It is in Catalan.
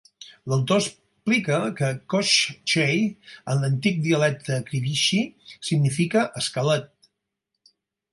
L'autor explica que Koshchei-en l'antic dialecte Krivichi-significa "esquelet".